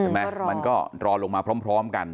มันก็รอลงมาพร้อมกัน